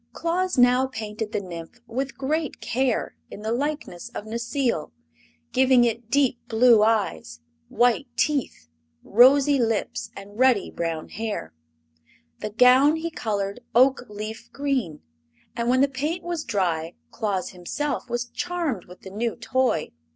Claus now painted the nymph with great care in the likeness of Necile, giving it deep blue eyes, white teeth, rosy lips and ruddy brown hair. The gown he colored oak leaf green, and when the paint was dry Claus himself was charmed with the new toy.